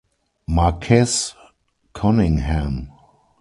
Marquess Conyngham.